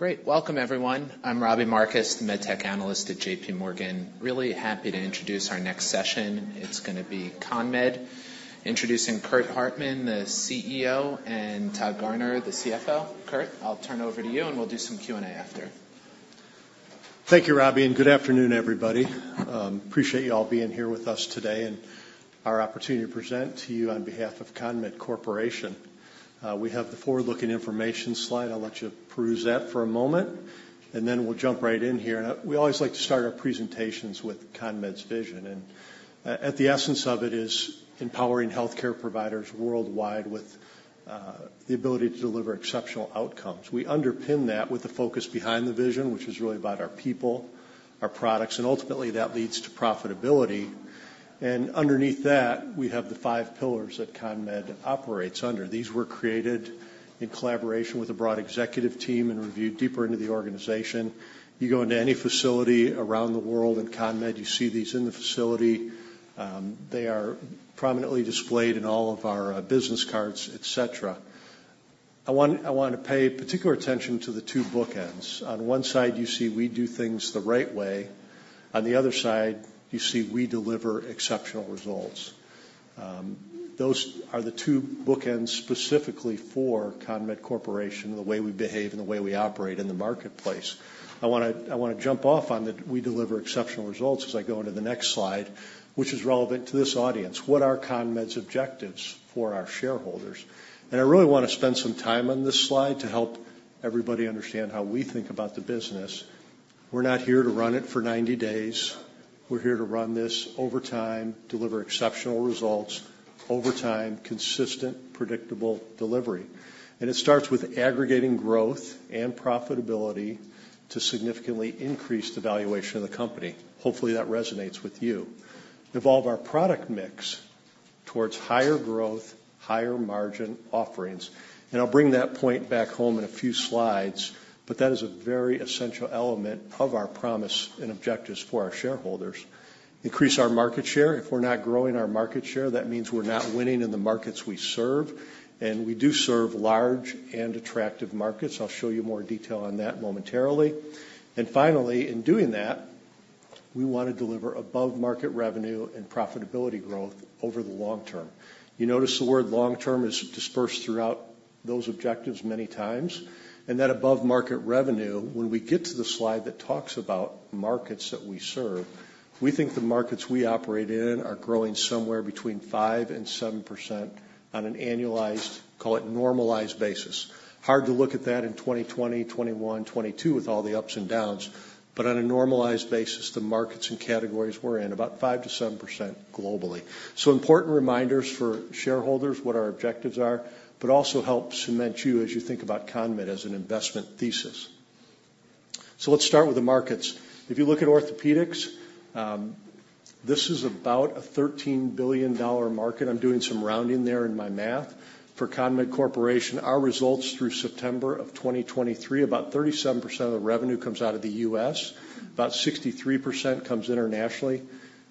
Great! Welcome, everyone. I'm Robbie Marcus, the med tech analyst at J.P. Morgan. Really happy to introduce our next session. It's gonna be CONMED, introducing Curt Hartman, the CEO, and Todd Garner, the CFO. Curt, I'll turn it over to you, and we'll do some Q&A after. Thank you, Robbie, and good afternoon, everybody. Appreciate you all being here with us today and our opportunity to present to you on behalf of CONMED Corporation. We have the forward-looking information slide. I'll let you peruse that for a moment, and then we'll jump right in here. We always like to start our presentations with CONMED's vision, and at the essence of it is empowering healthcare providers worldwide with the ability to deliver exceptional outcomes. We underpin that with the focus behind the vision, which is really about our people, our products, and ultimately, that leads to profitability. Underneath that, we have the five pillars that CONMED operates under. These were created in collaboration with a broad executive team and reviewed deeper into the organization. You go into any facility around the world in CONMED, you see these in the facility. They are prominently displayed in all of our business cards, et cetera. I want, I want to pay particular attention to the two bookends. On one side, you see, "We do things the right way." On the other side, you see, "We deliver exceptional results." Those are the two bookends specifically for CONMED Corporation, the way we behave and the way we operate in the marketplace. I wanna, I wanna jump off on the, "We deliver exceptional results," as I go into the next slide, which is relevant to this audience. What are CONMED's objectives for our shareholders? I really wanna spend some time on this slide to help everybody understand how we think about the business. We're not here to run it for ninety days. We're here to run this over time, deliver exceptional results, over time, consistent, predictable delivery. It starts with aggregating growth and profitability to significantly increase the valuation of the company. Hopefully, that resonates with you. Evolve our product mix towards higher growth, higher margin offerings, and I'll bring that point back home in a few slides, but that is a very essential element of our promise and objectives for our shareholders. Increase our market share. If we're not growing our market share, that means we're not winning in the markets we serve, and we do serve large and attractive markets. I'll show you more detail on that momentarily. Finally, in doing that, we want to deliver above-market revenue and profitability growth over the long term. You notice the word long term is dispersed throughout those objectives many times, and that above-market revenue, when we get to the slide that talks about markets that we serve, we think the markets we operate in are growing somewhere between 5% and 7% on an annualized, call it, normalized basis. Hard to look at that in 2020, 2021, 2022 with all the ups and downs, but on a normalized basis, the markets and categories we're in, about 5%-7% globally. So important reminders for shareholders, what our objectives are, but also help cement you as you think about CONMED as an investment thesis. So let's start with the markets. If you look at orthopedics, this is about a $13 billion market. I'm doing some rounding there in my math. For CONMED Corporation, our results through September of 2023, about 37% of the revenue comes out of the U.S., about 63% comes internationally.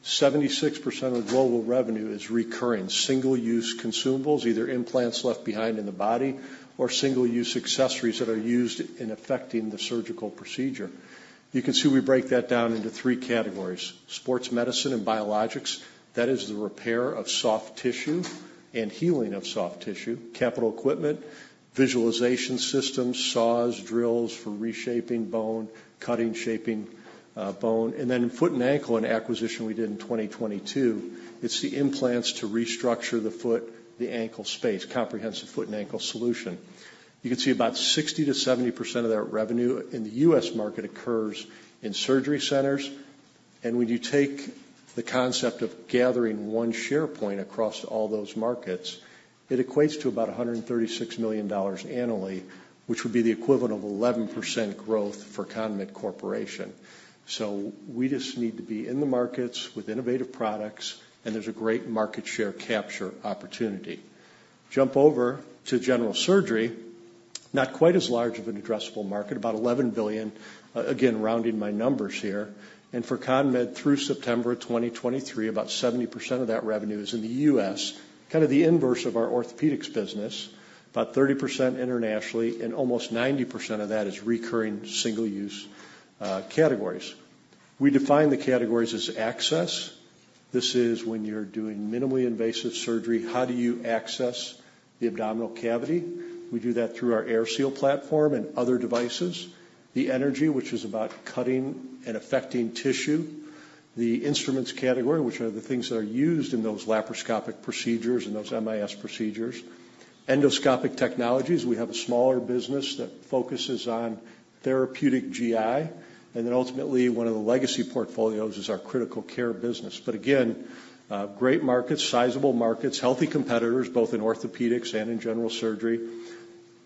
76% of global revenue is recurring, single-use consumables, either implants left behind in the body or single-use accessories that are used in affecting the surgical procedure. You can see we break that down into three categories: sports medicine and biologics, that is the repair of soft tissue and healing of soft tissue; capital equipment, visualization systems, saws, drills for reshaping bone, cutting, shaping, bone; and then foot and ankle, an acquisition we did in 2022, it's the implants to restructure the foot, the ankle space, comprehensive foot and ankle solution. You can see about 60%-70% of that revenue in the U.S. market occurs in surgery centers, and when you take the concept of gathering one share point across all those markets, it equates to about $136 million annually, which would be the equivalent of 11% growth for CONMED Corporation. So we just need to be in the markets with innovative products, and there's a great market share capture opportunity. Jump over to general surgery, not quite as large of an addressable market, about $11 billion, again, rounding my numbers here. For CONMED, through September 2023, about 70% of that revenue is in the U.S., kind of the inverse of our orthopedics business, about 30% internationally, and almost 90% of that is recurring single-use categories. We define the categories as access. This is when you're doing minimally invasive surgery. How do you access the abdominal cavity? We do that through our AirSeal platform and other devices. The energy, which is about cutting and affecting tissue. The instruments category, which are the things that are used in those laparoscopic procedures and those MIS procedures. Endoscopic technologies, we have a smaller business that focuses on therapeutic GI, and then ultimately, one of the legacy portfolios is our critical care business. But again, great markets, sizable markets, healthy competitors, both in orthopedics and in general surgery.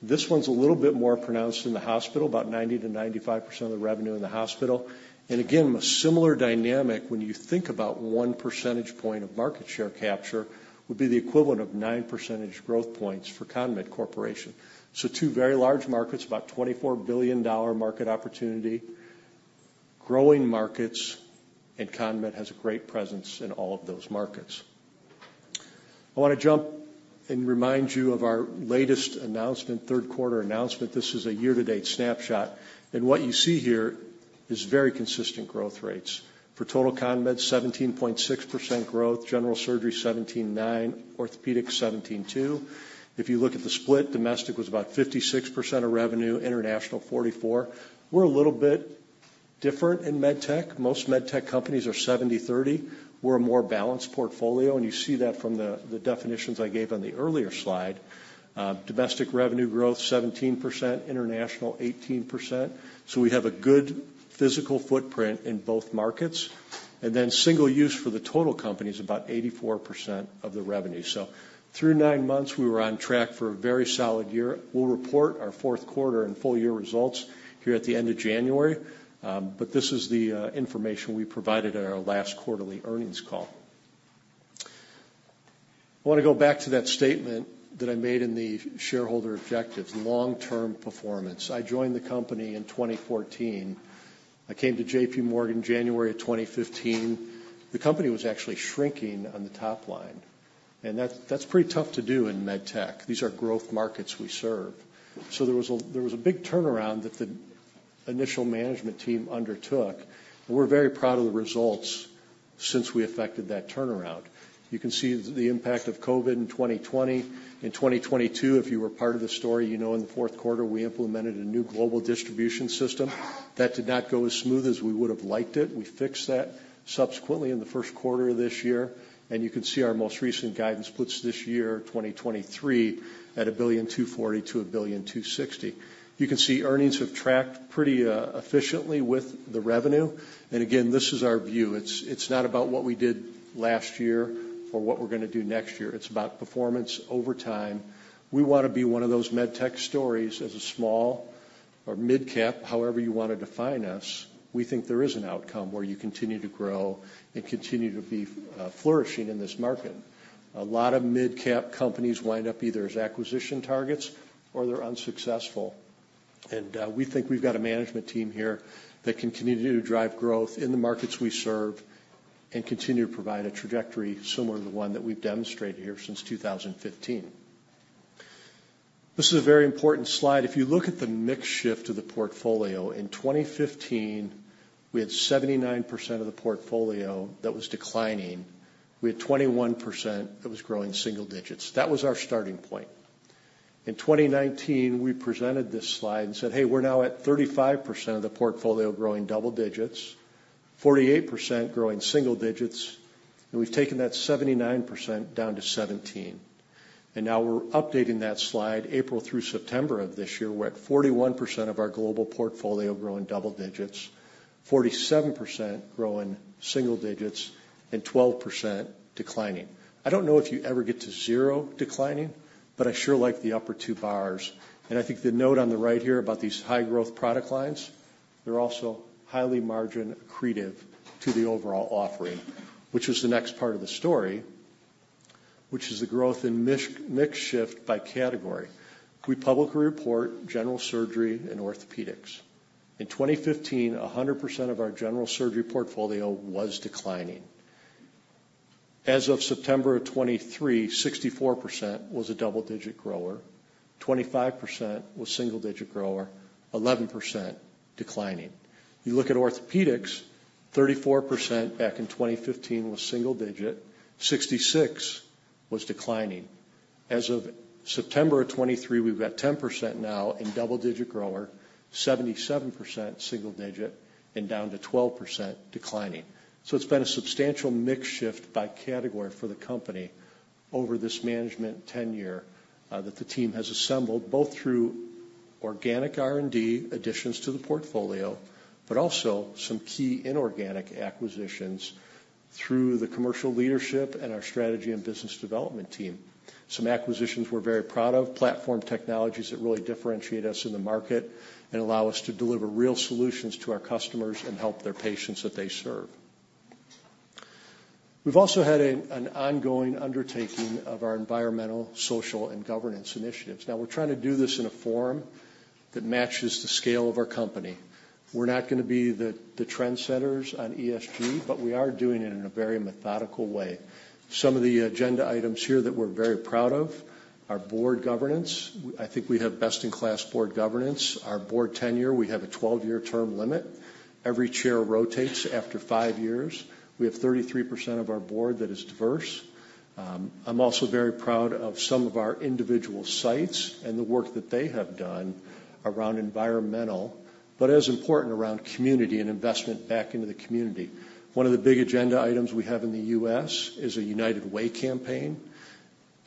This one's a little bit more pronounced in the hospital, about 90%-95% of the revenue in the hospital. And again, a similar dynamic when you think about one percentage point of market share capture would be the equivalent of nine percentage growth points for CONMED Corporation. So two very large markets, about $24 billion market opportunity, growing markets, and CONMED has a great presence in all of those markets. I want to jump and remind you of our latest announcement, third quarter announcement. This is a year-to-date snapshot, and what you see here is very consistent growth rates. For total CONMED, 17.6% growth, general surgery, 17.9%, orthopedics, 17.2%. If you look at the split, domestic was about 56% of revenue, international, 44%. We're a little bit different in med tech. Most med tech companies are 70/30. We're a more balanced portfolio, and you see that from the, the definitions I gave on the earlier slide. Domestic revenue growth, 17%, international, 18%, so we have a good physical footprint in both markets. And then single use for the total company is about 84% of the revenue. So through nine months, we were on track for a very solid year. We'll report our fourth quarter and full year results here at the end of January, but this is the information we provided at our last quarterly earnings call. I want to go back to that statement that I made in the shareholder objectives, long-term performance. I joined the company in 2014. I came to J.P. Morgan, January of 2015. The company was actually shrinking on the top line, and that's pretty tough to do in med tech. These are growth markets we serve. So there was a big turnaround that the initial management team undertook. We're very proud of the results since we affected that turnaround. You can see the impact of COVID in 2020. In 2022, if you were part of the story, you know, in the fourth quarter, we implemented a new global distribution system that did not go as smooth as we would have liked it. We fixed that subsequently in the first quarter of this year, and you can see our most recent guidance puts this year, 2023, at $1.240 billion-$1.260 billion. You can see earnings have tracked pretty efficiently with the revenue. And again, this is our view. It's, it's not about what we did last year or what we're gonna do next year. It's about performance over time. We want to be one of those med tech stories as a small or mid-cap, however you want to define us. We think there is an outcome where you continue to grow and continue to be flourishing in this market. A lot of mid-cap companies wind up either as acquisition targets or they're unsuccessful, and we think we've got a management team here that can continue to drive growth in the markets we serve and continue to provide a trajectory similar to the one that we've demonstrated here since 2015. This is a very important slide. If you look at the mix shift of the portfolio, in 2015, we had 79% of the portfolio that was declining. We had 21% that was growing single digits. That was our starting point. In 2019, we presented this slide and said, "Hey, we're now at 35% of the portfolio growing double digits, 48% growing single digits, and we've taken that 79% down to 17%." Now we're updating that slide, April through September of this year, we're at 41% of our global portfolio growing double digits, 47% growing single digits, and 12% declining. I don't know if you ever get to 0 declining, but I sure like the upper two bars. I think the note on the right here about these high growth product lines, they're also highly margin accretive to the overall offering, which is the next part of the story, which is the growth in mix-mix shift by category. We publicly report general surgery and orthopedics. In 2015, 100% of our general surgery portfolio was declining. As of September 2023, 64% was a double-digit grower, 25% was single digit grower, 11% declining. You look at orthopedics, 34% back in 2015 was single digit, 66% was declining. As of September 2023, we've got 10% now in double digit grower, 77% single digit, and down to 12% declining. So it's been a substantial mix shift by category for the company over this management tenure that the team has assembled, both through organic R&D, additions to the portfolio, but also some key inorganic acquisitions through the commercial leadership and our strategy and business development team. Some acquisitions we're very proud of, platform technologies that really differentiate us in the market and allow us to deliver real solutions to our customers and help their patients that they serve. We've also had an ongoing undertaking of our environmental, social, and governance initiatives. Now, we're trying to do this in a form that matches the scale of our company. We're not gonna be the trendsetters on ESG, but we are doing it in a very methodical way. Some of the agenda items here that we're very proud of, our board governance. I think we have best-in-class board governance. Our board tenure, we have a 12-year term limit. Every chair rotates after 5 years. We have 33% of our board that is diverse. I'm also very proud of some of our individual sites and the work that they have done around environmental, but as important, around community and investment back into the community. One of the big agenda items we have in the U.S. is a United Way campaign.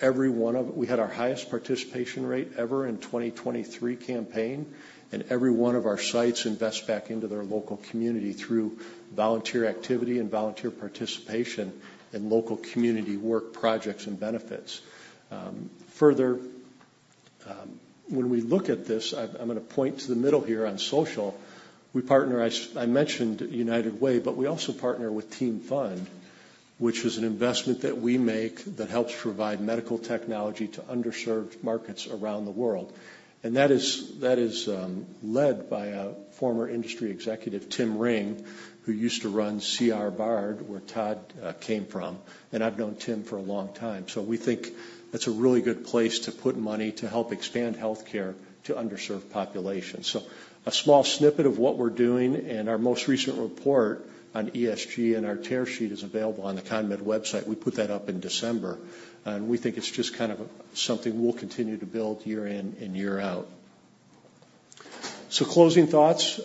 Every one of... We had our highest participation rate ever in 2023 campaign, and every one of our sites invest back into their local community through volunteer activity and volunteer participation in local community work projects and benefits. Further, when we look at this, I'm gonna point to the middle here on social. We partner. I mentioned United Way, but we also partner with TEAMFund, which is an investment that we make that helps provide medical technology to underserved markets around the world. And that is led by a former industry executive, Tim Ring, who used to run C.R. Bard, where Todd came from, and I've known Tim for a long time. So we think that's a really good place to put money to help expand healthcare to underserved populations. So a small snippet of what we're doing, and our most recent report on ESG and our tear sheet is available on the CONMED website. We put that up in December, and we think it's just kind of something we'll continue to build year in and year out. So closing thoughts.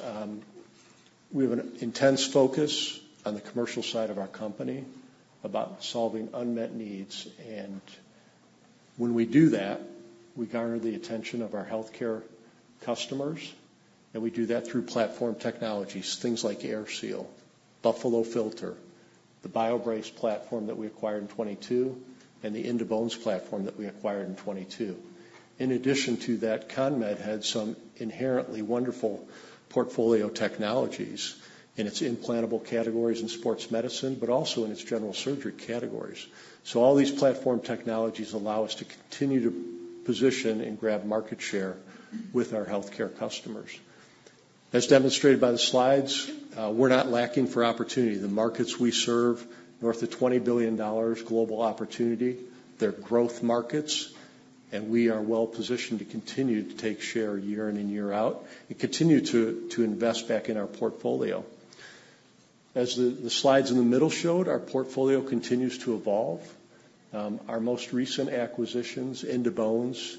We have an intense focus on the commercial side of our company about solving unmet needs, and when we do that, we garner the attention of our healthcare customers, and we do that through platform technologies, things like AirSeal, Buffalo Filter, the BioBrace platform that we acquired in 2022, and the In2Bones platform that we acquired in 2022. In addition to that, CONMED had some inherently wonderful portfolio technologies in its implantable categories in sports medicine, but also in its general surgery categories. So all these platform technologies allow us to continue to position and grab market share with our healthcare customers. As demonstrated by the slides, we're not lacking for opportunity. The markets we serve, north of $20 billion global opportunity, they're growth markets, and we are well positioned to continue to take share year in and year out, and continue to invest back in our portfolio. As the slides in the middle showed, our portfolio continues to evolve. Our most recent acquisitions, In2Bones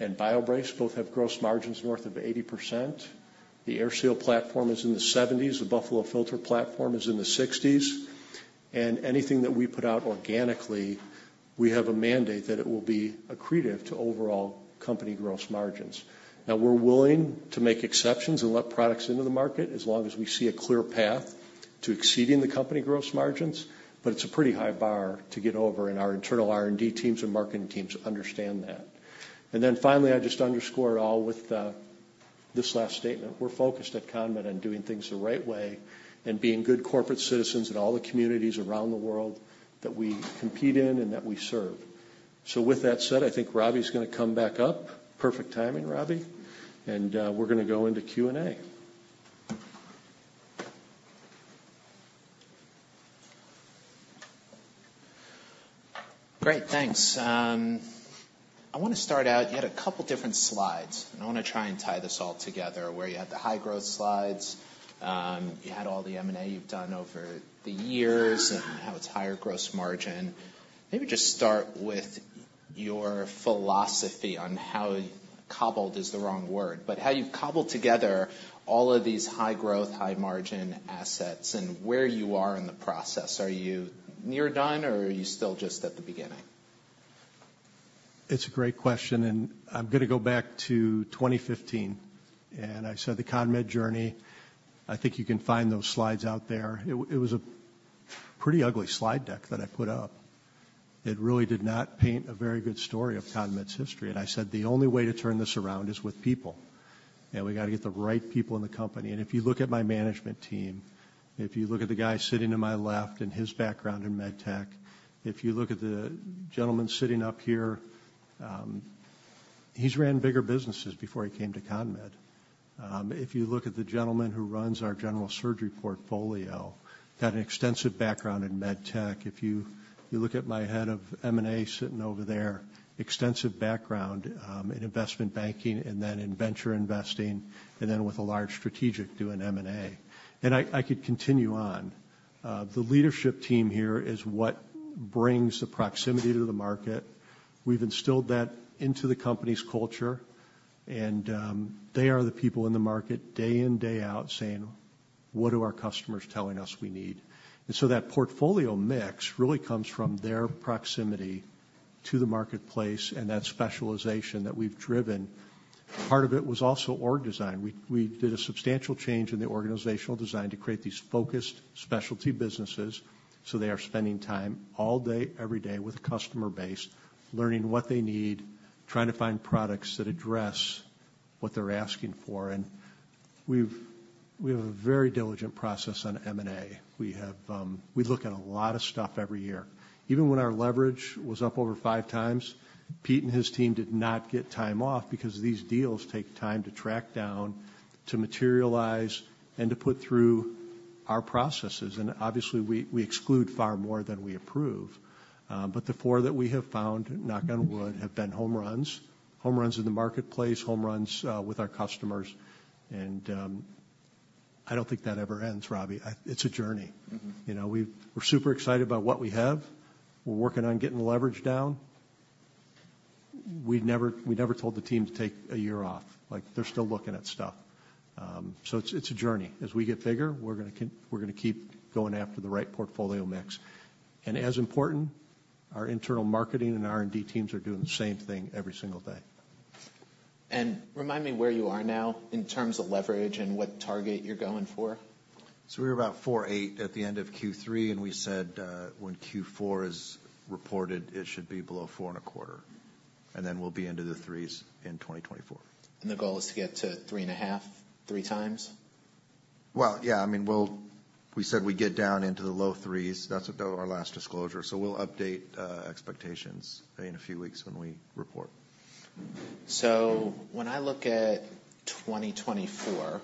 and BioBrace, both have gross margins north of 80%. The AirSeal platform is in the 70s%, the Buffalo Filter platform is in the 60s%, and anything that we put out organically, we have a mandate that it will be accretive to overall company gross margins. Now, we're willing to make exceptions and let products into the market, as long as we see a clear path to exceeding the company gross margins, but it's a pretty high bar to get over, and our internal R&D teams and marketing teams understand that. And then finally, I just underscore it all with this last statement. We're focused at CONMED on doing things the right way and being good corporate citizens in all the communities around the world that we compete in and that we serve. So with that said, I think Robbie's gonna come back up. Perfect timing, Robbie. And, we're gonna go into Q&A. Great, thanks. I want to start out, you had a couple different slides, and I want to try and tie this all together, where you had the high growth slides, you had all the M&A you've done over the years and how it's higher gross margin. Maybe just start with your philosophy on how... cobbled is the wrong word, but how you've cobbled together all of these high growth, high margin assets and where you are in the process. Are you near done, or are you still just at the beginning? It's a great question, and I'm gonna go back to 2015. I said the CONMED journey, I think you can find those slides out there. It was a pretty ugly slide deck that I put up. It really did not paint a very good story of CONMED's history, and I said, "The only way to turn this around is with people, and we got to get the right people in the company." If you look at my management team, if you look at the guy sitting to my left and his background in med tech, if you look at the gentleman sitting up here, he's ran bigger businesses before he came to CONMED. If you look at the gentleman who runs our general surgery portfolio, got an extensive background in med tech. If you look at my head of M&A sitting over there, extensive background in investment banking and then in venture investing, and then with a large strategic doing M&A. I could continue on. The leadership team here is what brings the proximity to the market. We've instilled that into the company's culture, and they are the people in the market day in, day out, saying: "What are our customers telling us we need?" So that portfolio mix really comes from their proximity to the marketplace and that specialization that we've driven. Part of it was also org design. We did a substantial change in the organizational design to create these focused specialty businesses, so they are spending time all day, every day with the customer base, learning what they need, trying to find products that address what they're asking for. We have a very diligent process on M&A. We have, we look at a lot of stuff every year. Even when our leverage was up over 5x, Pete and his team did not get time off because these deals take time to track down, to materialize, and to put through our processes. And obviously, we exclude far more than we approve. But the four that we have found, knock on wood, have been home runs. Home runs in the marketplace, home runs with our customers, and I don't think that ever ends, Robbie. It's a journey. Mm-hmm. You know, we're super excited about what we have. We're working on getting the leverage down. We never, we never told the team to take a year off. Like, they're still looking at stuff. So it's a journey. As we get bigger, we're gonna keep going after the right portfolio mix. And as important, our internal marketing and R&D teams are doing the same thing every single day. Remind me where you are now in terms of leverage and what target you're going for? So we're about 4.8 at the end of Q3, and we said, when Q4 is reported, it should be below 4.25, and then we'll be into the 3s in 2024. The goal is to get to 3.5, 3x?... Well, yeah, I mean, we'll, we said we'd get down into the low threes. That's what, though, our last disclosure, so we'll update expectations in a few weeks when we report. So when I look at 2024,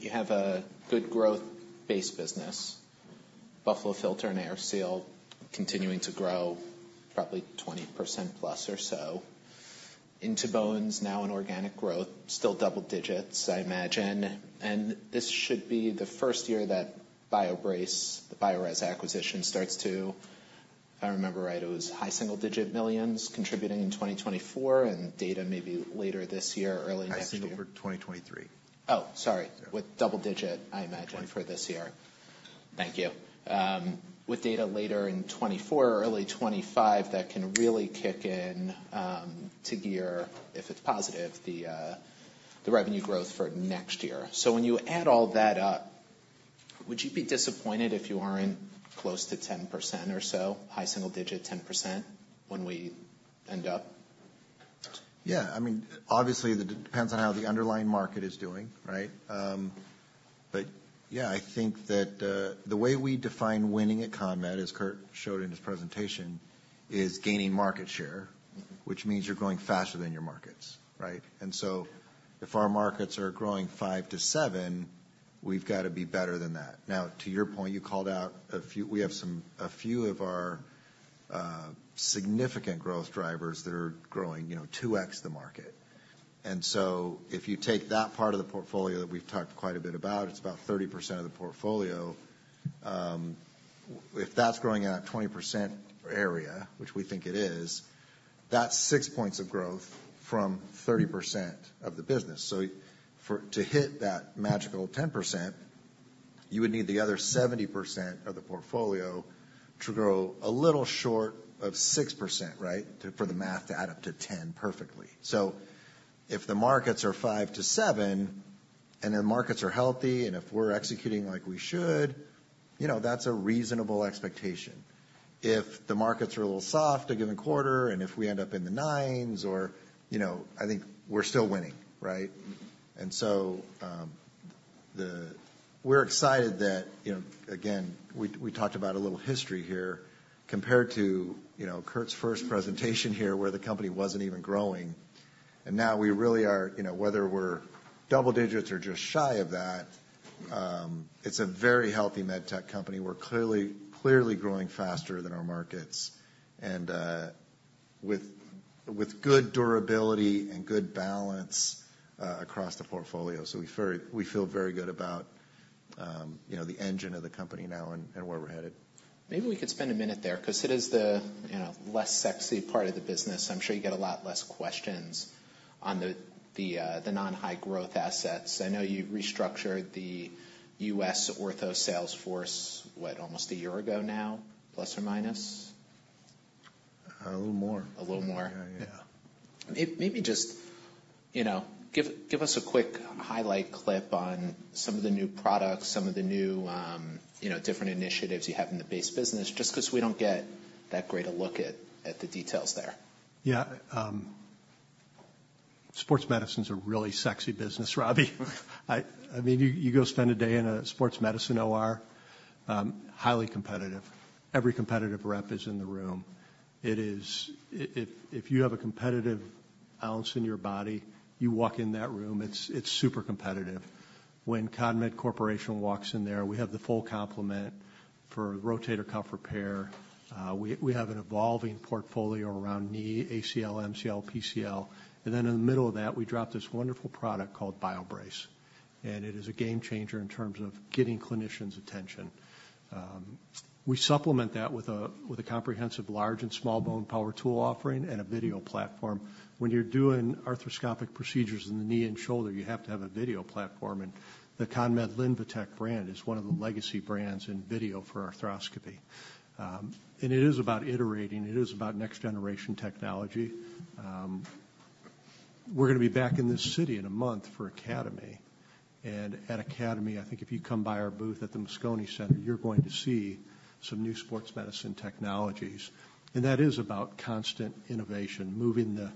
you have a good growth base business, Buffalo Filter and AirSeal continuing to grow probably 20%+ or so. In2Bones, now in organic growth, still double digits, I imagine. And this should be the first year that BioBrace, the Biorez acquisition, starts to... If I remember right, it was $ high single-digit millions contributing in 2024, and data maybe later this year or early next year. High single for 2023. Oh, sorry. Yeah. With double-digit, I imagine. Right for this year. Thank you. With data later in 2024 or early 2025, that can really kick in to gear, if it's positive, the revenue growth for next year. So when you add all that up, would you be disappointed if you aren't close to 10% or so, high single digit, 10%, when we end up? Yeah. I mean, obviously, it depends on how the underlying market is doing, right? But yeah, I think that the way we define winning at CONMED, as Curt showed in his presentation, is gaining market share. Mm-hmm. Which means you're growing faster than your markets, right? And so if our markets are growing 5-7, we've got to be better than that. Now, to your point, you called out a few of our significant growth drivers that are growing, you know, 2x the market. And so if you take that part of the portfolio that we've talked quite a bit about, it's about 30% of the portfolio. If that's growing at a 20% area, which we think it is, that's 6 points of growth from 30% of the business. So to hit that magical 10%, you would need the other 70% of the portfolio to grow a little short of 6%, right? For the math to add up to 10 perfectly. So if the markets are 5-7, and the markets are healthy, and if we're executing like we should, you know, that's a reasonable expectation. If the markets are a little soft in a given quarter, and if we end up in the 9s or, you know... I think we're still winning, right? Mm-hmm. And so, we're excited that, you know, again, we, we talked about a little history here, compared to, you know, Curt's first presentation here, where the company wasn't even growing. And now we really are, you know, whether we're double digits or just shy of that, it's a very healthy med tech company. We're clearly, clearly growing faster than our markets and, with, with good durability and good balance, across the portfolio. So we feel very good about, you know, the engine of the company now and, and where we're headed. Maybe we could spend a minute there, because it is the, you know, less sexy part of the business. I'm sure you get a lot less questions on the non-high growth assets. I know you restructured the U.S. Ortho sales force, what, almost a year ago now, ±? A little more. A little more. Yeah, yeah. Maybe just, you know, give us a quick highlight clip on some of the new products, some of the new, you know, different initiatives you have in the base business, just because we don't get that great a look at the details there. Yeah, sports medicine's a really sexy business, Robbie. I mean, you go spend a day in a sports medicine OR, highly competitive. Every competitive rep is in the room. It is. If you have a competitive ounce in your body, you walk in that room, it's super competitive. When CONMED Corporation walks in there, we have the full complement for Rotator Cuff repair. We have an evolving portfolio around knee, ACL, MCL, PCL, and then in the middle of that, we dropped this wonderful product called BioBrace, and it is a game changer in terms of getting clinicians' attention. We supplement that with a comprehensive large and small bone power tool offering and a video platform. When you're doing arthroscopic procedures in the knee and shoulder, you have to have a video platform, and the CONMED Linvatec brand is one of the legacy brands in video for arthroscopy. It is about iterating, it is about next-generation technology. We're gonna be back in this city in a month for Academy. At Academy, I think if you come by our booth at the Moscone Center, you're going to see some new sports medicine technologies. That is about constant innovation, moving the,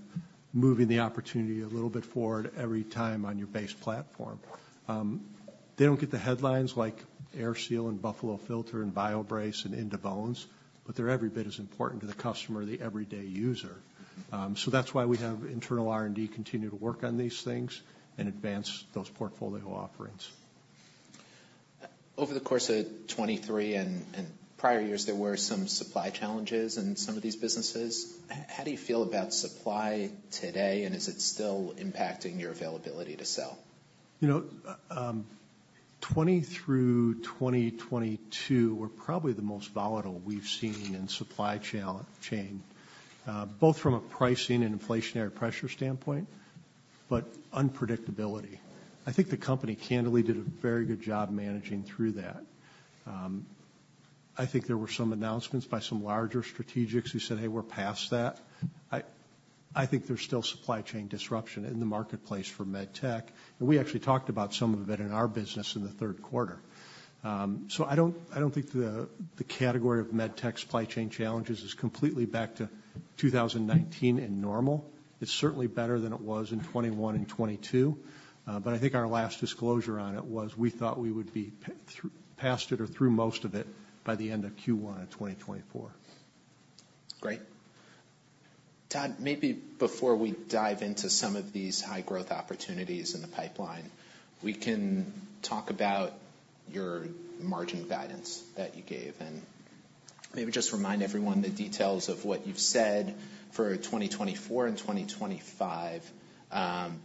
moving the opportunity a little bit forward every time on your base platform. They don't get the headlines like AirSeal and Buffalo Filter and BioBrace and In2Bones, but they're every bit as important to the customer or the everyday user. So that's why we have internal R&D continue to work on these things and advance those portfolio offerings. Over the course of 2023 and prior years, there were some supply challenges in some of these businesses. How do you feel about supply today, and is it still impacting your availability to sell? You know, 2020 through 2022 were probably the most volatile we've seen in supply chain, both from a pricing and inflationary pressure standpoint, but unpredictability. I think the company candidly did a very good job managing through that. I think there were some announcements by some larger strategics who said, "Hey, we're past that." I think there's still supply chain disruption in the marketplace for med tech, and we actually talked about some of it in our business in the third quarter. So I don't think the category of med tech supply chain challenges is completely back to 2019 and normal. It's certainly better than it was in 2021 and 2022. But I think our last disclosure on it was, we thought we would be past it or through most of it by the end of Q1 in 2024. Great. Todd, maybe before we dive into some of these high-growth opportunities in the pipeline, we can talk about your margin guidance that you gave, and maybe just remind everyone the details of what you've said for 2024 and 2025,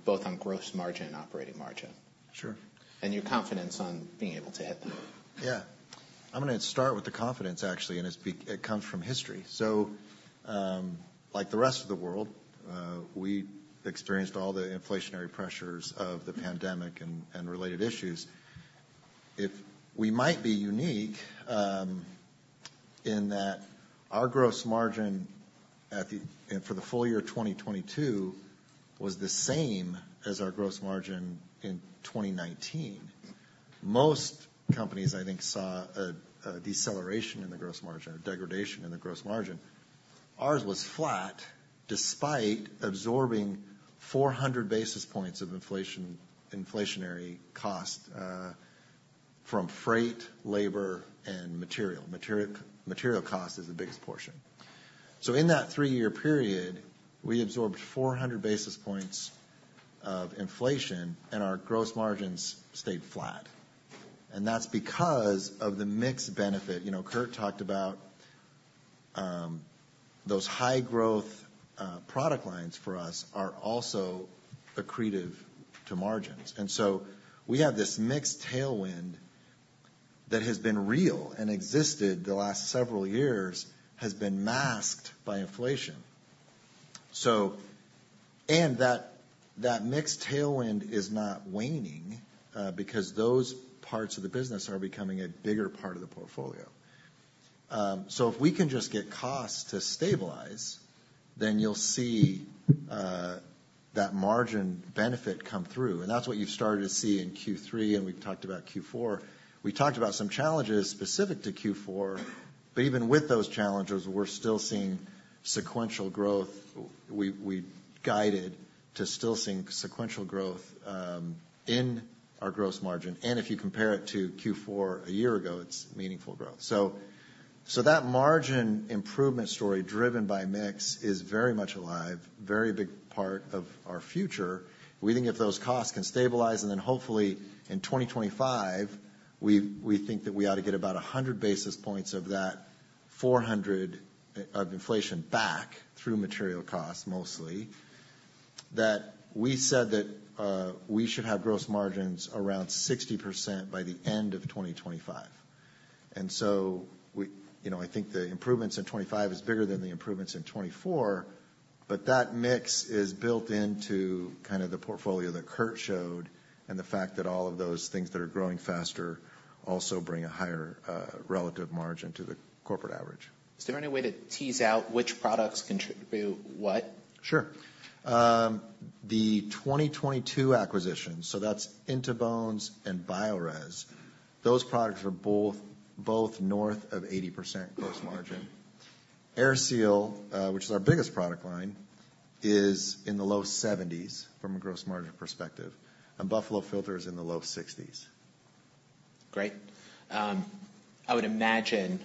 both on gross margin and operating margin. Sure. Your confidence on being able to hit them? Yeah. I'm gonna start with the confidence, actually, and it comes from history. So, like the rest of the world, we experienced all the inflationary pressures of the pandemic and related issues. We might be unique in that our gross margin for the full year of 2022 was the same as our gross margin in 2019. Most companies, I think, saw a deceleration in the gross margin or degradation in the gross margin. Ours was flat, despite absorbing 400 basis points of inflationary cost from freight, labor, and material. Material cost is the biggest portion. So in that three-year period, we absorbed 400 basis points of inflation, and our gross margins stayed flat. And that's because of the mix benefit. You know, Curt talked about those high-growth product lines for us are also accretive to margins. And so we have this mixed tailwind that has been real and existed the last several years, has been masked by inflation. And that mixed tailwind is not waning because those parts of the business are becoming a bigger part of the portfolio. So if we can just get costs to stabilize, then you'll see that margin benefit come through, and that's what you've started to see in Q3, and we've talked about Q4. We talked about some challenges specific to Q4, but even with those challenges, we're still seeing sequential growth. We guided to still seeing sequential growth in our gross margin, and if you compare it to Q4 a year ago, it's meaningful growth. So, that margin improvement story, driven by mix, is very much alive, very big part of our future. We think if those costs can stabilize, and then hopefully in 2025, we think that we ought to get about 100 basis points of that 400 of inflation back, through material costs, mostly. That we said that we should have gross margins around 60% by the end of 2025. And so we. You know, I think the improvements in 2025 is bigger than the improvements in 2024, but that mix is built into kind of the portfolio that Curt showed, and the fact that all of those things that are growing faster also bring a higher relative margin to the corporate average. Is there any way to tease out which products contribute what? Sure. The 2022 acquisition, so that's In2Bones and Biorez. Those products are both, both north of 80% gross margin. AirSeal, which is our biggest product line, is in the low 70s% from a gross margin perspective, and Buffalo Filter is in the low 60s%. Great. I would imagine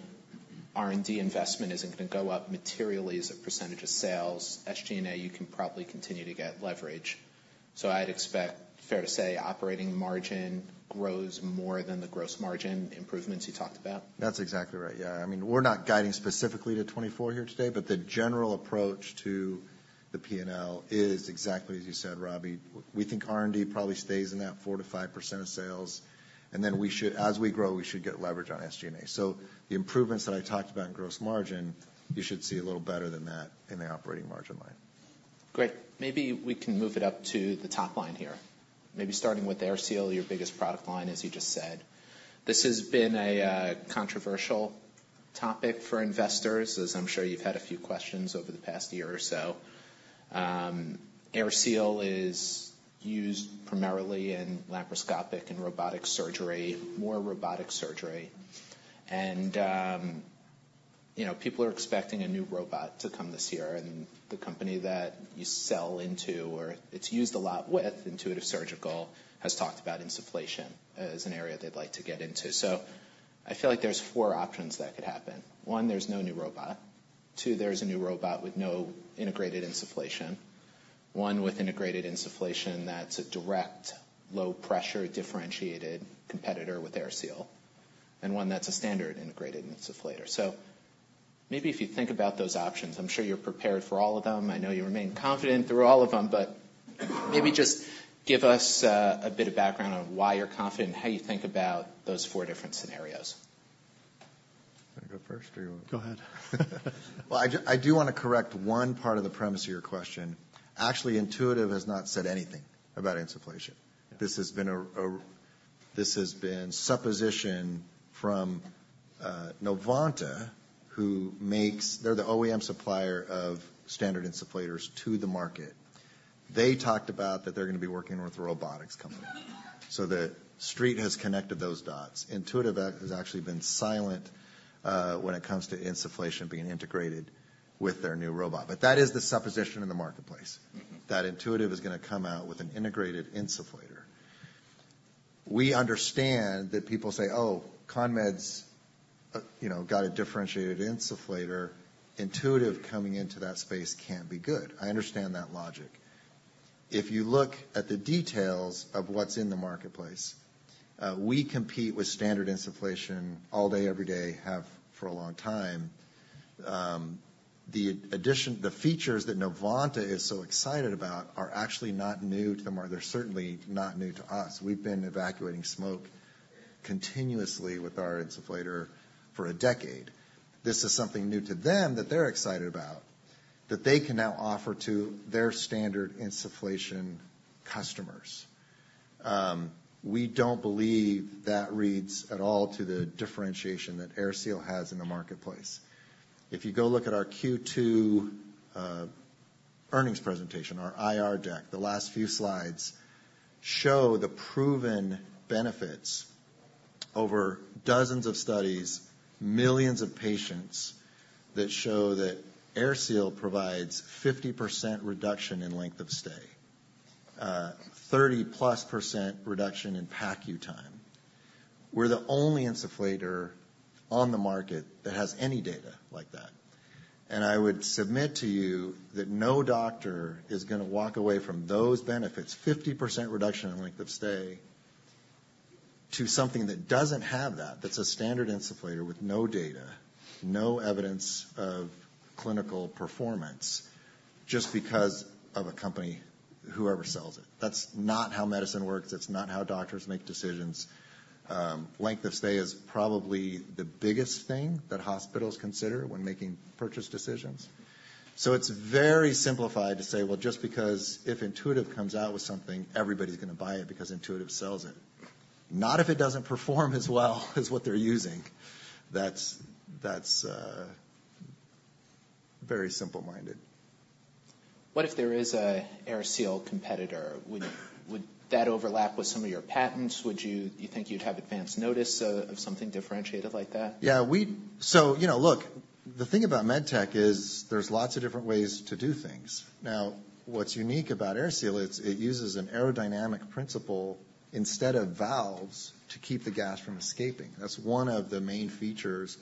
R&D investment isn't going to go up materially as a percentage of sales. SG&A, you can probably continue to get leverage. So I'd expect, fair to say, operating margin grows more than the gross margin improvements you talked about? That's exactly right. Yeah. I mean, we're not guiding specifically to 2024 here today, but the general approach to the P&L is exactly as you said, Robbie. We think R&D probably stays in that 4%-5% of sales, and then we should, as we grow, we should get leverage on SG&A. So the improvements that I talked about in gross margin, you should see a little better than that in the operating margin line. Great. Maybe we can move it up to the top line here. Maybe starting with AirSeal, your biggest product line, as you just said. This has been a controversial topic for investors, as I'm sure you've had a few questions over the past year or so. AirSeal is used primarily in laparoscopic and robotic surgery, more robotic surgery. And, you know, people are expecting a new robot to come this year, and the company that you sell into or it's used a lot with, Intuitive Surgical, has talked about insufflation as an area they'd like to get into. So I feel like there's four options that could happen. One, there's no new robot. Two, there's a new robot with no integrated insufflation. One with integrated insufflation, that's a direct, low-pressure, differentiated competitor with AirSeal, and one that's a standard integrated insufflator. So maybe if you think about those options, I'm sure you're prepared for all of them. I know you remain confident through all of them, but maybe just give us a bit of background on why you're confident and how you think about those four different scenarios. Wanna go first or you want- Go ahead. Well, I do want to correct one part of the premise of your question. Actually, Intuitive has not said anything about insufflation. This has been supposition from Novanta, who makes... They're the OEM supplier of standard insufflators to the market. They talked about that they're gonna be working with a robotics company. So the street has connected those dots. Intuitive has actually been silent when it comes to insufflation being integrated with their new robot. But that is the supposition in the marketplace- Mm-hmm. -that Intuitive is gonna come out with an integrated insufflator. We understand that people say, "Oh, CONMED's, you know, got a differentiated insufflator. Intuitive coming into that space can't be good." I understand that logic. If you look at the details of what's in the marketplace, we compete with standard insufflation all day, every day, have for a long time. The addition, the features that Novanta is so excited about are actually not new to them, or they're certainly not new to us. We've been evacuating smoke continuously with our insufflator for a decade. This is something new to them that they're excited about, that they can now offer to their standard insufflation customers. We don't believe that reads at all to the differentiation that AirSeal has in the marketplace. If you go look at our Q2 earnings presentation, our IR deck, the last few slides show the proven benefits over dozens of studies, millions of patients, that show that AirSeal provides 50% reduction in length of stay, 30+% reduction in PACU time. We're the only insufflator on the market that has any data like that. And I would submit to you that no doctor is gonna walk away from those benefits, 50% reduction in length of stay, to something that doesn't have that, that's a standard insufflator with no data, no evidence of clinical performance, just because of a company, whoever sells it. That's not how medicine works. That's not how doctors make decisions. Length of stay is probably the biggest thing that hospitals consider when making purchase decisions. So it's very simplified to say, "Well, just because if Intuitive comes out with something, everybody's gonna buy it because Intuitive sells it." Not if it doesn't perform as well as what they're using. That's, that's, very simple-minded. What if there is a AirSeal competitor? Would that overlap with some of your patents? Would you - do you think you'd have advanced notice of something differentiated like that? Yeah, so, you know, look, the thing about med tech is there's lots of different ways to do things. Now, what's unique about AirSeal, it's, it uses an aerodynamic principle instead of valves to keep the gas from escaping. That's one of the main features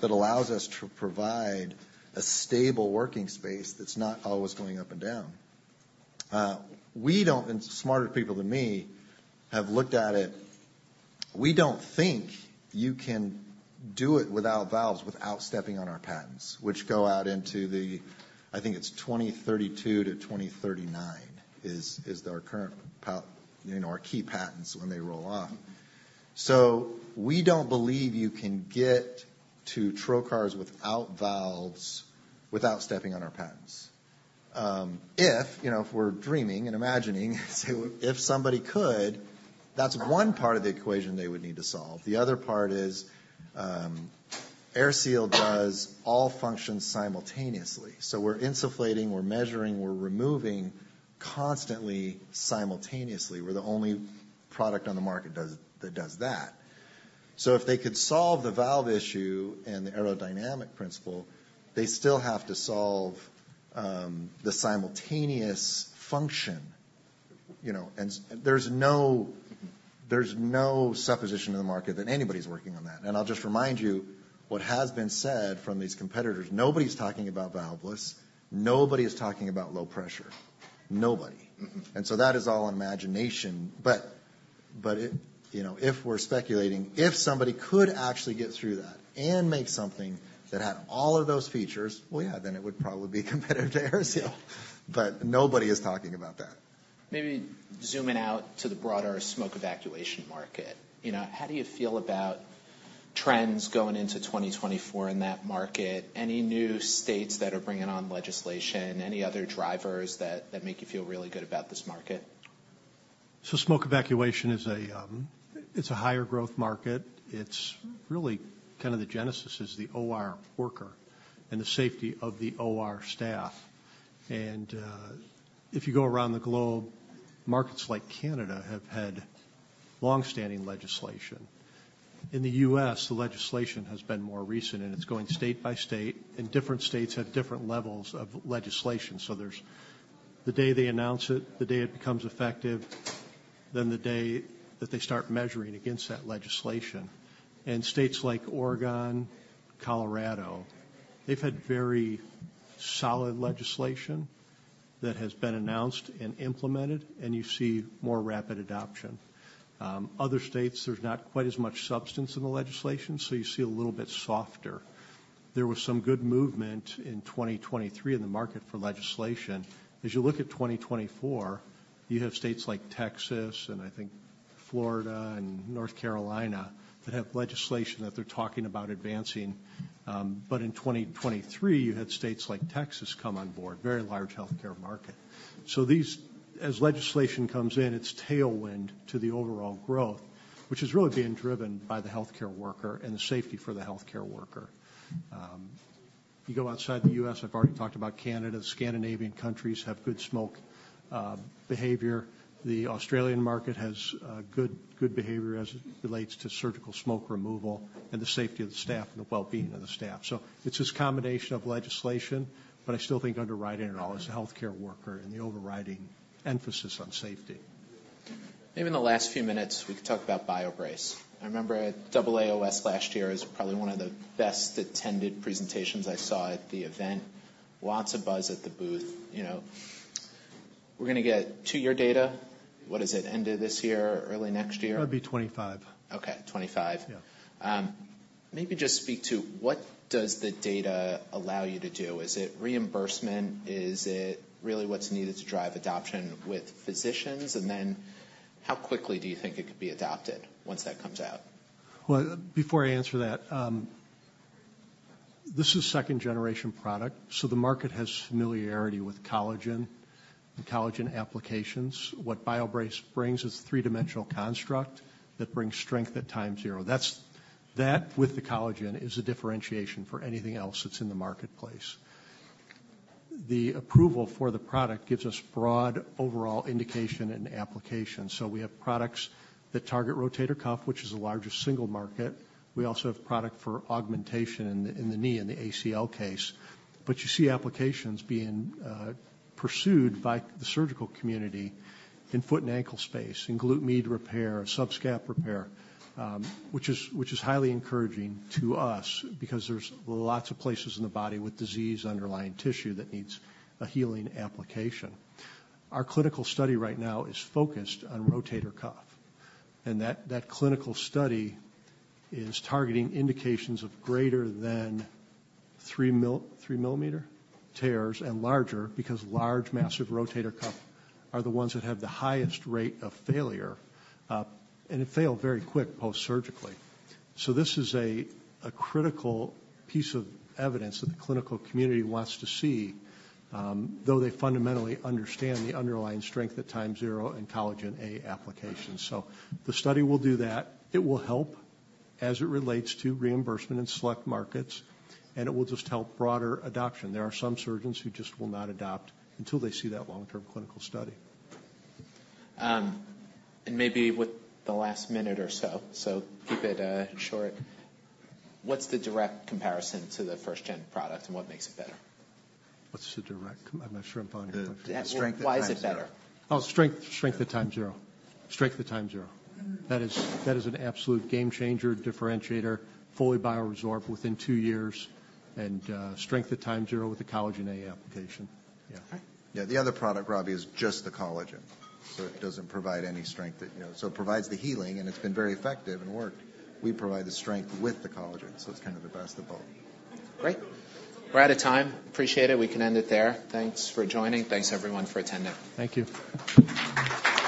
that allows us to provide a stable working space that's not always going up and down. We don't... And smarter people than me have looked at it. We don't think you can do it without valves, without stepping on our patents, which go out into the, I think it's 2032-2039, is our current patent, you know, our key patents when they roll off. So we don't believe you can get to trocars without valves, without stepping on our patents. If, you know, if we're dreaming and imagining, say, if somebody could, that's one part of the equation they would need to solve. The other part is, AirSeal does all functions simultaneously. So we're insufflating, we're measuring, we're removing constantly, simultaneously. We're the only product on the market does, that does that. So if they could solve the valve issue and the aerodynamic principle, they still have to solve, the simultaneous function. You know, and there's no, there's no supposition in the market that anybody's working on that. I'll just remind you what has been said from these competitors. Nobody's talking about valveless. Nobody is talking about low pressure. Nobody. Mm-hmm. So that is all imagination. But it... You know, if we're speculating, if somebody could actually get through that and make something that had all of those features, well, yeah, then it would probably be competitive to AirSeal, but nobody is talking about that. Maybe zooming out to the broader smoke evacuation market, you know, how do you feel about trends going into 2024 in that market? Any new states that are bringing on legislation, any other drivers that make you feel really good about this market? So smoke evacuation is a, it's a higher growth market. It's really kind of the genesis is the OR worker and the safety of the OR staff. If you go around the globe, markets like Canada have had long-standing legislation. In the U.S., the legislation has been more recent, and it's going state by state, and different states have different levels of legislation. There's the day they announce it, the day it becomes effective, then the day that they start measuring against that legislation. States like Oregon, Colorado, they've had very solid legislation that has been announced and implemented, and you see more rapid adoption. Other states, there's not quite as much substance in the legislation, so you see a little bit softer. There was some good movement in 2023 in the market for legislation. As you look at 2024, you have states like Texas and I think Florida and North Carolina, that have legislation that they're talking about advancing. But in 2023, you had states like Texas come on board, very large healthcare market. So these, as legislation comes in, it's tailwind to the overall growth, which is really being driven by the healthcare worker and the safety for the healthcare worker. You go outside the U.S., I've already talked about Canada. The Scandinavian countries have good smoke behavior. The Australian market has good, good behavior as it relates to surgical smoke removal and the safety of the staff and the well-being of the staff. So it's this combination of legislation, but I still think underwriting it all as a healthcare worker and the overriding emphasis on safety. Maybe in the last few minutes, we can talk about BioBrace. I remember at AAOS last year, it was probably one of the best-attended presentations I saw at the event. Lots of buzz at the booth, you know. We're gonna get to your data. What is it, end of this year or early next year? It'll be 2025. Okay, 'twenty-five. Yeah. Maybe just speak to, what does the data allow you to do? Is it reimbursement? Is it really what's needed to drive adoption with physicians? And then how quickly do you think it could be adopted once that comes out? Well, before I answer that, this is second-generation product, so the market has familiarity with collagen and collagen applications. What BioBrace brings is three-dimensional construct that brings strength at time zero. That's, with the collagen, is a differentiation for anything else that's in the marketplace. The approval for the product gives us broad overall indication and application, so we have products that target rotator cuff, which is the largest single market. We also have product for augmentation in the knee, in the ACL case. But you see applications being pursued by the surgical community in foot and ankle space, in Glute Med repair, Subscap repair, which is highly encouraging to us because there's lots of places in the body with diseased underlying tissue that needs a healing application. Our clinical study right now is focused on rotator cuff, and that, that clinical study is targeting indications of greater than 3-millimeter tears and larger, because large massive rotator cuff are the ones that have the highest rate of failure, and it failed very quick post-surgically. So this is a, a critical piece of evidence that the clinical community wants to see, though they fundamentally understand the underlying strength at time zero in collagen a application. So the study will do that. It will help as it relates to reimbursement in select markets, and it will just help broader adoption. There are some surgeons who just will not adopt until they see that long-term clinical study. Maybe with the last minute or so, so keep it short. What's the direct comparison to the first-gen product, and what makes it better? What's the direct... I'm not sure I'm following you. The- The strength- Why is it better? Oh, strength, strength at time zero. Strength at time zero. That is, that is an absolute game changer, differentiator, fully bioresorbed within two years, and strength at time zero with the collagen a application. Yeah. Okay. Yeah, the other product, Robbie, is just the collagen, so it doesn't provide any strength that, you know... So it provides the healing, and it's been very effective and worked. We provide the strength with the collagen, so it's kind of the best of both. Great. We're out of time. Appreciate it. We can end it there. Thanks for joining. Thanks, everyone, for attending. Thank you.